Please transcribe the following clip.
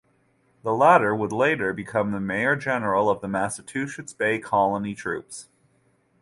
The latter would later become the mayor general of the Massachusetts Bay Colony troops.